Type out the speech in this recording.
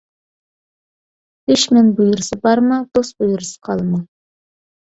دۈشمەن بۇيرۇسا بارما، دوست بۇيرۇسا قالما.